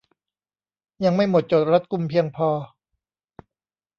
ยังไม่หมดจดรัดกุมเพียงพอ